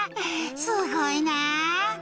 「すごいな」